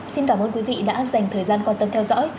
xin cảm ơn quý vị đã dành thời gian quan tâm theo dõi